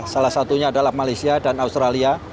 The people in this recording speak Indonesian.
salah satunya adalah malaysia dan australia